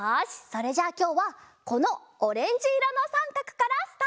それじゃあきょうはこのオレンジいろのさんかくからスタート！